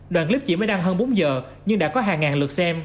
đoàn clip chỉ mới đăng hơn bốn giờ nhưng đã có hàng ngàn lượt xem